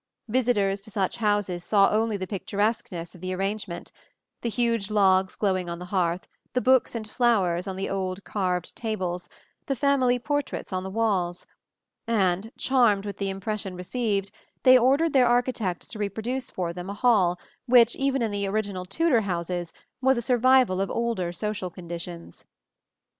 Visitors to such houses saw only the picturesqueness of the arrangement the huge logs glowing on the hearth, the books and flowers on the old carved tables, the family portraits on the walls; and, charmed with the impression received, they ordered their architects to reproduce for them a hall which, even in the original Tudor houses, was a survival of older social conditions.